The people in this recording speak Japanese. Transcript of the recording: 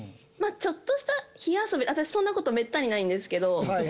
ちょっとした火遊びそんなことめったにないんですけど。